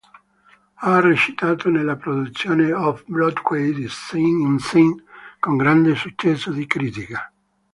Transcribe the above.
Ha recitato nella produzione Off-Broadway di Sight Unseen con grande successo di critica.